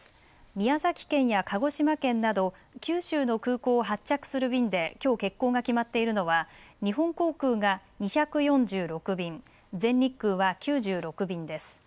宮崎県や鹿児島県など九州の空港を発着する便できょう欠航が決まっているのは日本航空が２４６便、全日空は９６便です。